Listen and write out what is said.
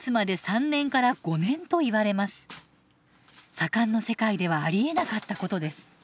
左官の世界ではありえなかったことです。